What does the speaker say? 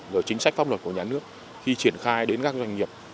rồi chính sách pháp luật của nhà nước khi triển khai đến các doanh nghiệp